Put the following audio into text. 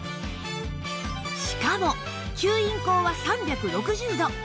しかも吸引口は３６０度！